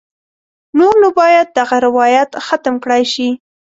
نور نو باید دغه روایت ختم کړای شي.